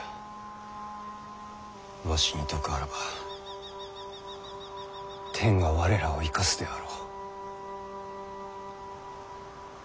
わしに徳あらば天が我らを生かすであろう。